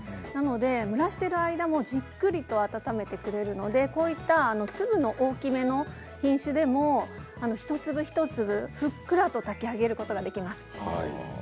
なので蒸らしている間もじっくりと温めてくれるのでこういった粒の大きめの品種でも一粒一粒、ふっくらと炊き上げることができます。